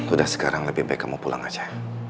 udah sekarang lebih baik kamu pulang aja